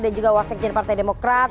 dan juga waksek jenderal partai demokrat